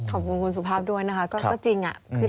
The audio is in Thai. ขอบคุณคุณสุภาพด้วยนะครับเราจริงแหละ